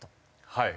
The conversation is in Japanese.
はい。